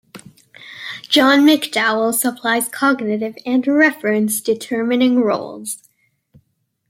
John McDowell supplies cognitive and reference-determining roles.